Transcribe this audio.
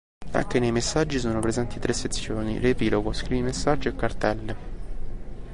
Anche nei messaggi sono presenti tre sezioni: riepilogo, scrivi messaggio e cartelle.